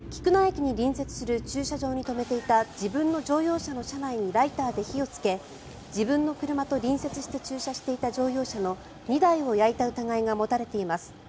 昨日午後２時１０分ごろ菊名駅に隣接する駐車場に止めていた自分の乗用車の車内にライターで火をつけ自分の車と隣接して駐車していた乗用車の２台を焼いた疑いが持たれています。